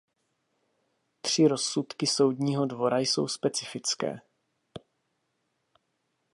Tři rozsudky Soudního dvora jsou specifické.